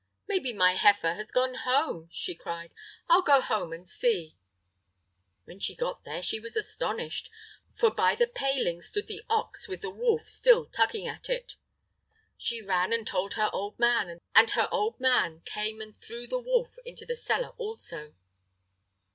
"Maybe my heifer has gone home!" she cried; "I'll go home and see." When she got there she was astonished, for by the paling stood the ox with the wolf still tugging at it. She ran and told her old man, and her old man came and threw the wolf into the cellar also.